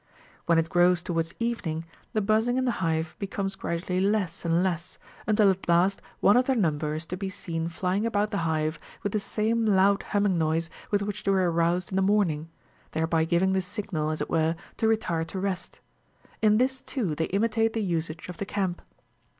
When it grows towards evening, the buzzing in the hive becomes gradually less and less, until at last one of their number is to be seen flying about the hive with the same loud humming noise with which they were aroused in the morning, there by giving the signal, as it were, to retire to rest : in this, too, they imitate the usage of the camp.